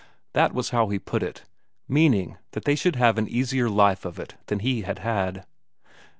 That was how he put it, meaning that they should have an easier life of it than he had had.